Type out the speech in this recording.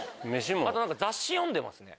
あと何か雑誌読んでますね。